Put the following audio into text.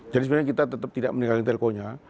jadi sebenarnya kita tetap tidak meninggalkan telkonya